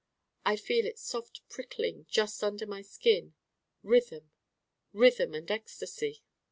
I feel it soft prickling just under my skin. Rhythm Rhythm and ecstasy!